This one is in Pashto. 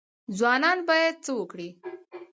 ځوانان باید څه وکړي؟